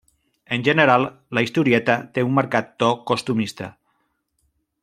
En general, la historieta té un marcat to costumista.